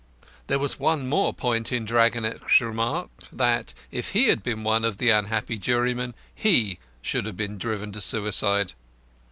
There was more point in "Dagonet's" remark that, if he had been one of the unhappy jurymen, he should have been driven to "suicide."